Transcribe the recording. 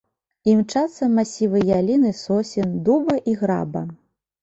Імчацца масівы ялін і сосен, дуба і граба.